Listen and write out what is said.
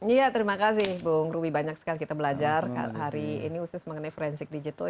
iya terima kasih bung ruby banyak sekali kita belajar hari ini khusus mengenai forensik digital